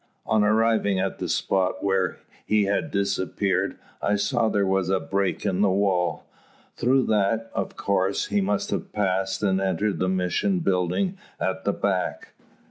On arriving at the spot where he had disappeared, I saw there was a break in the wall. Through that, of course, he must have passed, and entered the mission building at the back.